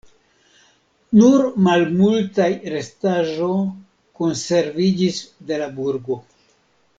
Nur malmultaj restaĵo konserviĝis de la burgo.